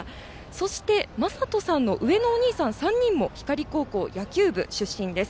そして、将斗さんの上のお兄さんも光高校野球部出身です。